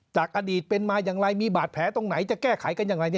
จากอดีตเป็นมาอย่างไรมีบาดแผลตรงไหนจะแก้ไขกันอย่างไร